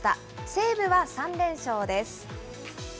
西武は３連勝です。